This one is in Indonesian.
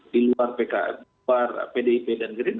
di luar pkb pdb dan grip